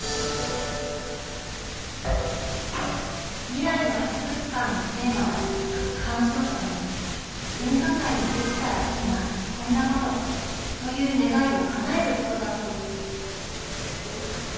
「未来の博物館」のテーマは鑑賞者の「文化財にできたらいいな、こんなこと」という願いをかなえることだそう